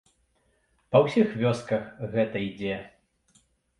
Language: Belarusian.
Па ўсіх вёсках гэта ідзе.